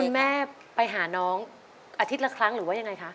แม่ไปหาน้องอาทิตย์ละครั้งหรือว่ายังไงคะ